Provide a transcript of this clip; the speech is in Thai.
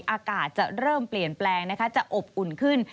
อากาศจะเริ่มเปลี่ยนแปลงนะคะจะอบอุ่นขึ้น